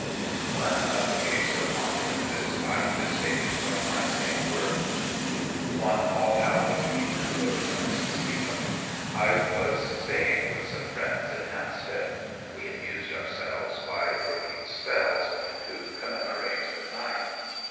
One other case of haunting of this type is taken from my same work. "One All Hallow E'en," wrote a Mrs. Sebuim, "I was staying with some friends in Hampstead, and we amused ourselves by working spells, to commemorate the night.